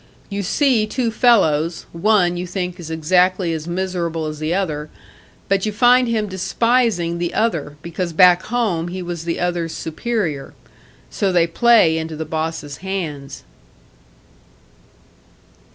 You see two fellows, one you think is exactly as miserable as the other but you find him despising the other, because back home he was the other's superior. So they play into the bosses' hands."